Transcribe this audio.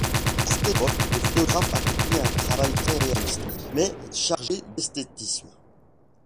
À cette époque, le photographe accomplit un travail très réaliste mais chargé d’esthétisme.